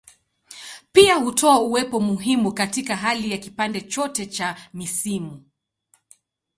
Pia hutoa uwepo muhimu katika hali ya kipande chote cha misimu.